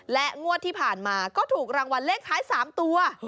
และงวดที่ผ่านมาก็ถูกรางวัลเลขท้าย๓ตัว